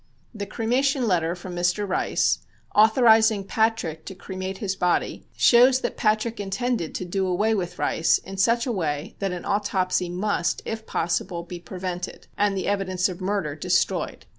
The cremation letter from Mr. Rice, authorizing Patrick to cremate his body, shows that Patrick intended to do away with Rice in such a way that an autopsy must, if possible, be prevented and the evidence of murder destroyed.